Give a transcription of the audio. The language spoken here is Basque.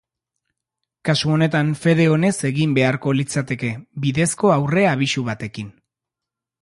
Kasu onetan fede onez egin beharko litzateke, bidezko aurre-abisu batekin.